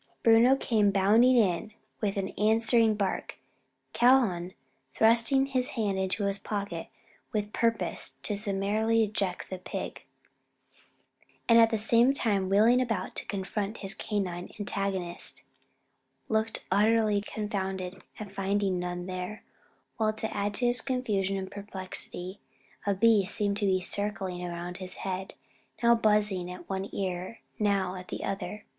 Bruno came bounding in with an answering bark; Calhoun thrusting his hand into his pocket with purpose to summarily eject the pig, and at the same time wheeling about to confront his canine antagonist, looked utterly confounded at finding none there, while to add to his confusion and perplexity, a bee seemed to be circling round his head, now buzzing at one ear, now at the other.